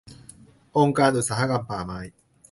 องค์การอุตสาหกรรมป่าไม้